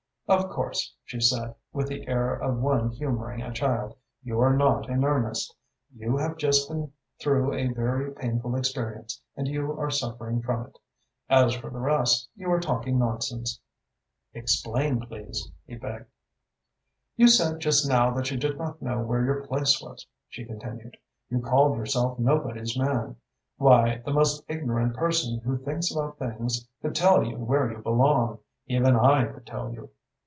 "Of course," she said, with the air of one humoring a child, "you are not in earnest. You have just been through a very painful experience and you are suffering from it. As for the rest, you are talking nonsense." "Explain, please," he begged. "You said just now that you did not know where your place was," she continued. "You called yourself nobody's man. Why, the most ignorant person who thinks about things could tell you where you belong. Even I could tell you."